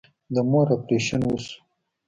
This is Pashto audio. د مور اپريشن وسو.